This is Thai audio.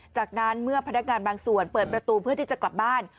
จากนั้นเมื่อพนักงานบางส่วนเปิดประตูเพื่อที่จะกลับบ้าน